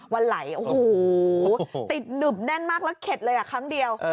วันไหลโอ้โหติดหนึบแน่นมากแล้วเข็ดเลยอ่ะครั้งเดียว